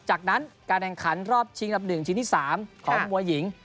จากนั้นการแข่งขันรอบชิงอันดับ๑ชิงที่๓ของมวยหญิง